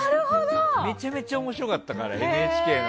めちゃめちゃ面白かったから。